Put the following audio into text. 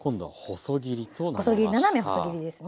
細切り斜め細切りですね。